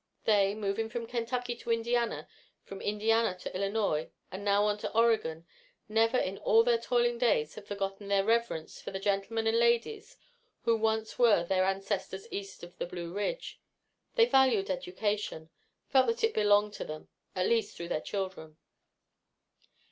They, moving from Kentucky into Indiana, from Indiana into Illinois, and now on to Oregon, never in all their toiling days had forgotten their reverence for the gentlemen and ladies who once were their ancestors east of the Blue Ridge. They valued education felt that it belonged to them, at least through their children.